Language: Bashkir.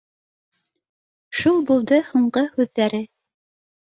— Шул булды һуңғы һүҙҙәре